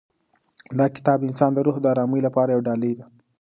دا کتاب د انسان د روح د ارامۍ لپاره یوه ډالۍ ده.